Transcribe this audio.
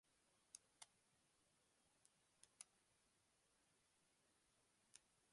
হু বিবাহিত এবং তার একটি ছেলে রয়েছে।